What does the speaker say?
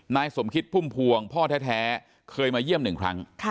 นายสมคิดพุ่มพวงพ่อแท้เคยมาเยี่ยมหนึ่งครั้ง